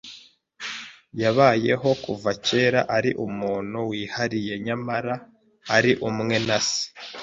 yabayeho kuva kera, ari umuntu wihariye, nyamara ari umwe na Se